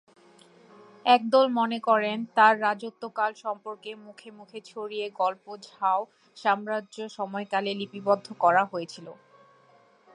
একদল মনে করেন, তার রাজত্বকাল সম্পর্কে মুখে মুখে ছড়িয়ে গল্প ঝাও সাম্রাজ্য সময়কালে লিপিবদ্ধ করা হয়েছিল।